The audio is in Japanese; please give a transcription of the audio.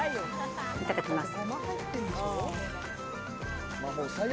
いただきます。